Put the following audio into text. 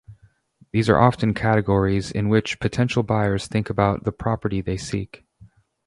These are often categories in which potential buyers think about the property they seek.